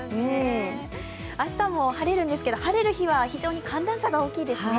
明日も晴れるんですが晴れる日は非常に寒暖差が大きいですね。